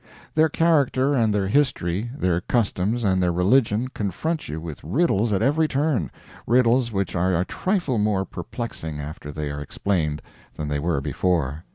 Their character and their history, their customs and their religion, confront you with riddles at every turn riddles which are a trifle more perplexing after they are explained than they were before.